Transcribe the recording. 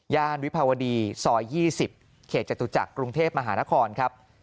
วิภาวดีซอย๒๐เขตจตุจักรกรุงเทพมหานครครับ